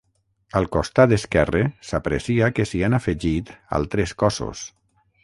Al costat esquerre s'aprecia que s'hi han afegit altres cossos.